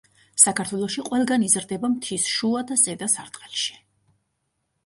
საქართველოში ყველგან იზრდება მთის შუა და ზედა სარტყელში.